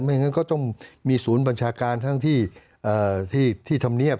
อย่างนั้นก็ต้องมีศูนย์บัญชาการทั้งที่ธรรมเนียบ